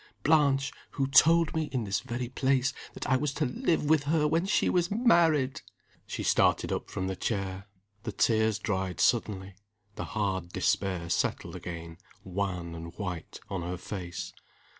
Blanche, who told me, in this very place, that I was to live with her when she was married!" She started up from the chair; the tears dried suddenly; the hard despair settled again, wan and white, on her face.